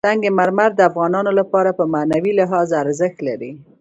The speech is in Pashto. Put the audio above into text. سنگ مرمر د افغانانو لپاره په معنوي لحاظ ارزښت لري.